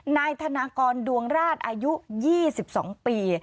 นายธนากรดวงราชอายุ๒๒ปี